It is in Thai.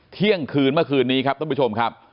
เที่ยงคืนเมื่อคืนนี้ครับท่านผู้ชมครับ